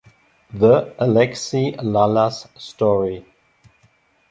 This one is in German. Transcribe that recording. The Alexi Lalas Story".